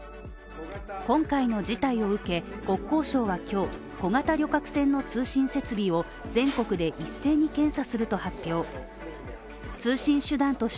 今回の事態を受け国交省は今日、小型旅客船の通信設備を全国で一斉に検査すると発表。